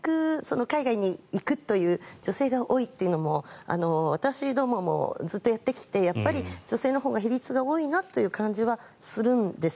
海外に行くという女性が多いというのも私どももずっとやってきてやっぱり女性のほうが比率が多いなという感じはするんです。